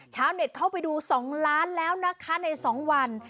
ชาวเน็ตเข้าไปดู๒ล้านแล้วนะคะใน๒วัน